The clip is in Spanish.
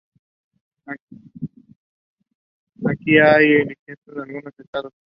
Aquí hay un listado de algunos de estos.